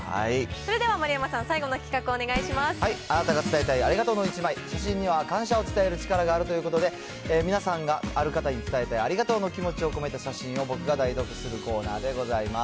それでは丸山さん、あなたが伝えたいありがとうの１枚、写真には、感謝を伝える力があるということで、皆さんがある方に伝えたいありがとうの気持ちを込めた写真を、僕が代読するコーナーでございます。